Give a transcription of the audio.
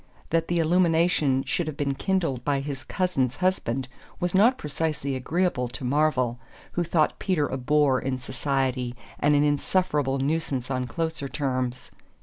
That the illumination should have been kindled by his cousin's husband was not precisely agreeable to Marvell, who thought Peter a bore in society and an insufferable nuisance on closer terms.